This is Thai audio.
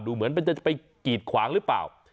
เหมือนมันจะไปกีดขวางหรือเปล่า